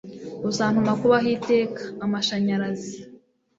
uzantuma kubaho iteka! amashanyarazi